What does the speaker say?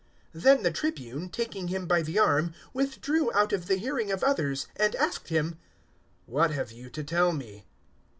023:019 Then the Tribune, taking him by the arm, withdrew out of the hearing of others and asked him, "What have you to tell me?"